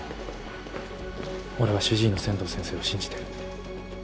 俺は主治医の仙道先生を信じてる。